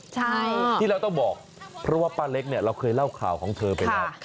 ใช่ที่เราต้องบอกเพราะว่าป้าเล็กเนี่ยเราเคยเล่าข่าวของเธอไปแล้ว